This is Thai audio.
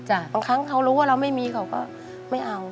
บางครั้งเขารู้ว่าเราไม่มีเขาก็ไม่เอา